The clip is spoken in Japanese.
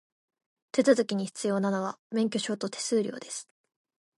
手続きに必要なのは、免許証と手数料です。